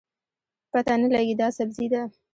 پته نه لګي دا سبزي ده